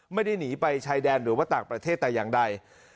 ไม่ได้หนีไปชายแดนหรือว่าต่างประเทศแต่อย่างใด